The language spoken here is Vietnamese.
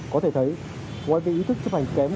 có thể thấy ngoài cái ý thức chấp hành kém